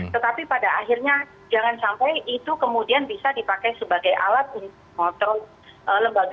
tetapi pada akhirnya jangan sampai itu kemudian bisa dipakai sebagai alat untuk mengontrol lembaga